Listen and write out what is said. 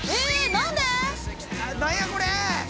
何やこれ！？